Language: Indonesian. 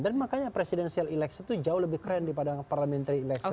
dan makanya presidensial election itu jauh lebih keren daripada parliamentary election